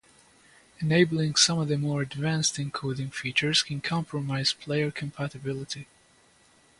Enabling some of the more advanced encoding features can compromise player compatibility.